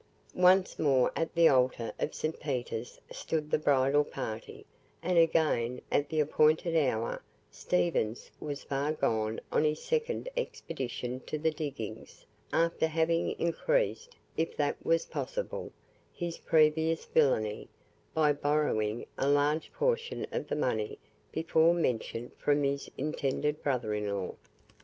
Once more at the altar of St. Peter's stood the bridal party, and again at the appointed hour Stephens was far gone on his second expedition to the diggings, after having increased (if that was possible) his previous villainy, by borrowing a large portion of the money before mentioned from his intended brother in law.